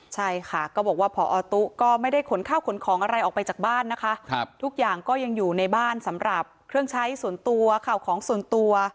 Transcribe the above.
ใช่ค่ะก็บอกว่าพอตุ๊ก็ไม่ได้ขนข้าวขนของอะไรออกไปจากบ้านนะคะทุกอย่างก็ยังอยู่ในบ้านสำหรับเครื่องใช้ส่วนตัวข่าวของส่วนตัว